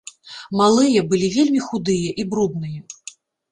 Малыя былі вельмі худыя і брудныя.